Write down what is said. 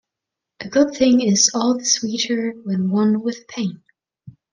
A good thing is all the sweeter when won with pain.